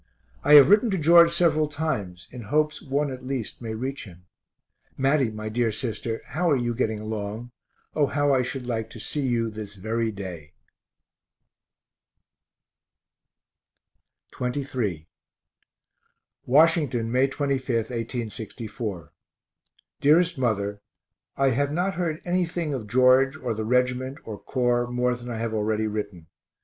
I have written to George several times in hopes one at least may reach him. Matty, my dear sister, how are you getting along? O how I should like to see you this very day. XXIII Washington, May 25, 1864. DEAREST MOTHER I have not heard anything of George or the reg't or Corps more than I have already written.